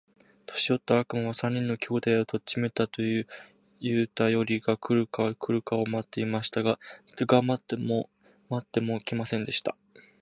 年よった悪魔は、三人の兄弟を取っちめたと言うたよりが来るか来るかと待っていました。が待っても待っても来ませんでした。